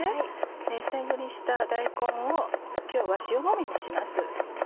千切りにした大根を今日は塩もみにします。